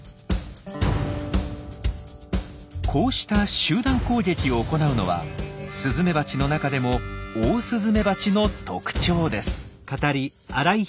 こうした集団攻撃を行うのはスズメバチの中でもオオスズメバチの特徴です。